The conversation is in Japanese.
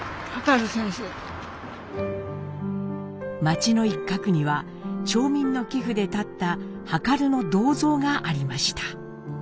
町の一角には町民の寄付で建った量の銅像がありました。